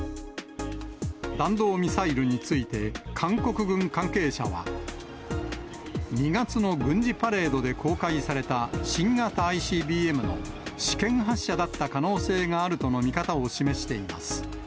弾道ミサイルについて、韓国軍関係者は、２月の軍事パレードで公開された新型ＩＣＢＭの試験発射だった可能性があるとの見方を示しています。